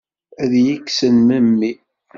Ad iyi-kksen memmi?